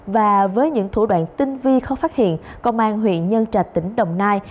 và với những thủ đoạn tinh vi không phát hiện công an huyện nhân trạch tỉnh đồng nai